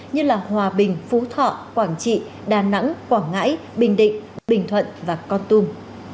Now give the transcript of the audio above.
như hòa bình phú thọ quảng trị đà nẵng quảng ngãi bình định bình thuận và con tum